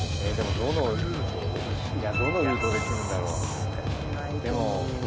どのルートで来るんだろう。